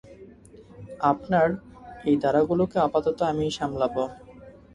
আপনার এই দাঁড়াগুলোকে আপাতত আমিই সামলাবো।